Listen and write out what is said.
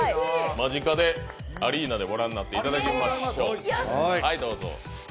間近でアリーナでご覧になっていただきましょう。